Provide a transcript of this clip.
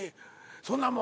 そんなもん。